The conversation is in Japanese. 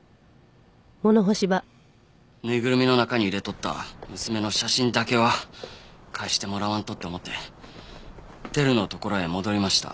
ぬいぐるみの中に入れとった娘の写真だけは返してもらわんとって思って輝のところへ戻りました。